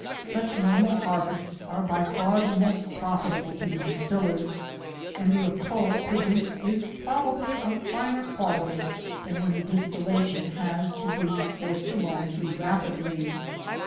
Such normal harvests are by far the most profitable to the distillers, and the otto produced is probably of finer quality than when the distillation has to be 10 GENERAL VIEW OF MAGLISHE. XSf^ forced along too rapidly.